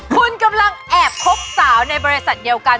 คุณกำลังแอบคบสาวในบริษัทเดียวกัน